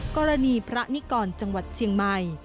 กรณีพระนิกรจังหวัดเชียงใหม่